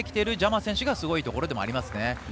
ジャマ選手がすごいところではありますね。